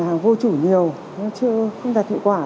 hàng vô chủ nhiều nó chưa đạt hiệu quả